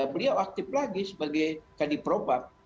beliau aktif lagi sebagai kadif propam